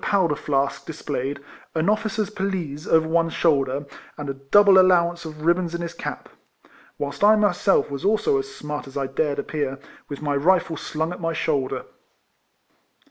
245 powder flask displayed, an officer's pelisse over one shoulder, and a double allowance of ribbons in his cap ; whilst I myself was also as smart as I dared appear, with my rifle slung at my shoulder.